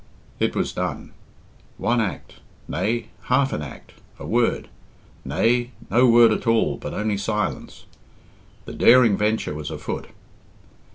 It was done. One act nay, half an act; a word nay, no word at all, but only silence. The daring venture was afoot.